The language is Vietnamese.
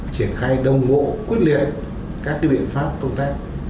triển khai đồng bộ quyết liệt các biện pháp công tác